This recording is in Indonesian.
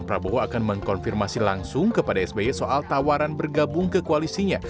prabowo akan mengkonfirmasi langsung kepada sby soal tawaran bergabung ke koalisinya